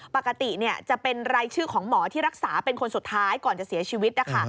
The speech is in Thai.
ปกติจะเป็นรายชื่อของหมอที่รักษาเป็นคนสุดท้ายก่อนจะเสียชีวิต